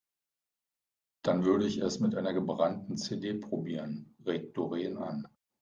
Dann würde ich es mit einer gebrannten CD probieren, regt Doreen an.